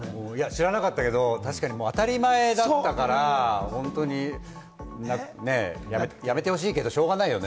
知らなかったけれども、当たり前だったから、やめてほしいけれども、しょうがないよね。